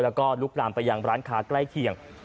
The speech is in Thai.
แล้วก็ลุกลามไปยังร้านค้าใกล้เคียง